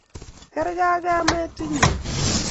Kargei ak kameytunnyi